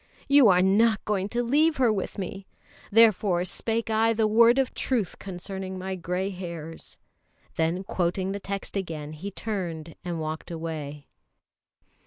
You are not going to leave her with me! Therefore spake I the word of truth concerning my grey hairs." Then quoting the text again, he turned and walked away.